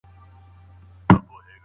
مثبت فکر مو له تیرو تیروتنو ژغوري.